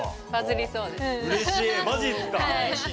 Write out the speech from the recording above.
うれしい！